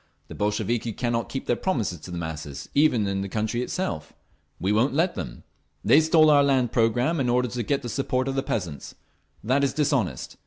The Bolsheviki cannot keep their promises to the masses, even in the country itself. We won't let them…. They stole our land programme in order to get the support of the peasants. That is dishonest.